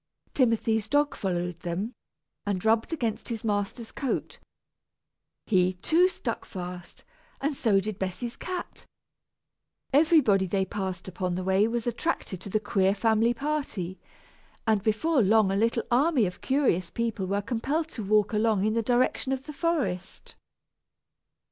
Timothy's dog followed them, and rubbed against his master's coat. He, too, stuck fast, and so did Bessy's cat. Everybody they passed upon the way was attracted to the queer family party, and before long a little army of curious people were compelled to walk along in the direction of the forest.